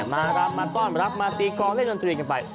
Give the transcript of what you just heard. มารับมาต้อนรับมาตีกองเล่นดนตรีกันไป